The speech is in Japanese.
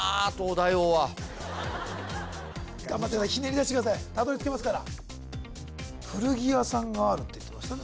頑張ってくださいひねり出してくださいたどりつけますから古着屋さんがあるって言ってましたね